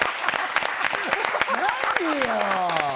何よ！